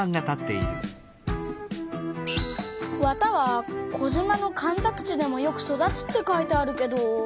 「綿は児島の干拓地でもよく育つ」って書いてあるけど。